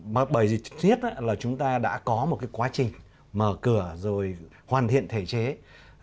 bởi vì chúng ta đã có một quá trình mở cửa hoàn thiện thể trình